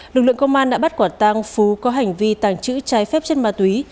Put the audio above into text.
lực lượng công an đã bắt quả tang phú có hành vi tàng trữ trái phép chất ma túy